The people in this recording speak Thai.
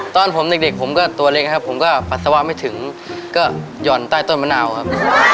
ตอนผมเด็กผมก็ตัวเล็กครับผมก็ปัสสาวะไม่ถึงก็หย่อนใต้ต้นมะนาวครับ